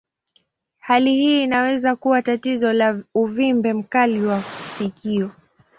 Hali hii inaweza kuwa tatizo la uvimbe mkali wa sikio.